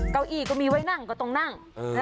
เก้าอี้ก็มีไว้นั่งก็ต้องนั่ง